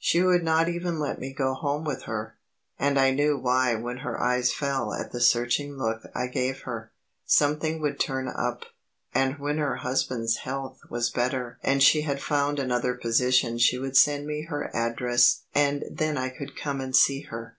She would not even let me go home with her; and I knew why when her eyes fell at the searching look I gave her. Something would turn up, and when her husband's health was better and she had found another position she would send me her address and then I could come and see her.